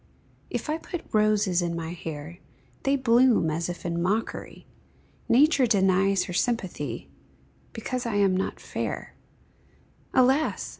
If I put roses in my hair, They bloom as if in mockery; Nature denies her sympathy, Because I am not fair; Alas!